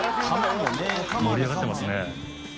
盛り上がってますね。